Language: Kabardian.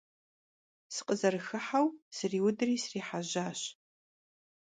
Sıkhızerıxıheu, sriudri srihejaş.